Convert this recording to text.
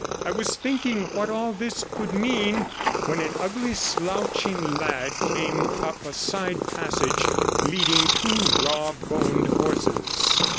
I was thinking what all this could mean when an ugly, slouching lad came up a side passage, leading two raw boned horses.